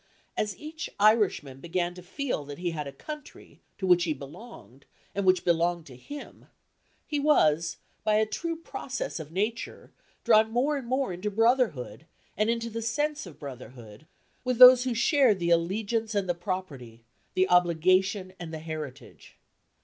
As each Irishman began to feel that he had a country, to which he belonged, and which belonged to him, he was, by a true process of nature, drawn more and more into brotherhood, and into the sense of brotherhood, with those who shared the allegiance and the property, the obligation and the heritage.